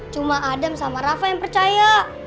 cuma adam sama rafa yang percaya